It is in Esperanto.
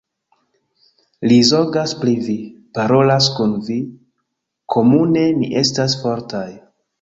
Li zorgas pri vi, parolas kun vi, komune ni estas fortaj.